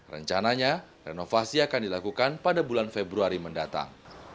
rencananya renovasi akan dilakukan pada bulan februari mendatang